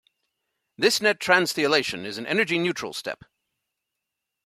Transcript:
This net transthiolation is an energy-neutral step.